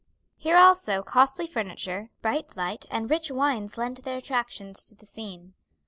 Here also costly furniture, bright light, and rich wines lent their attractions to the scene.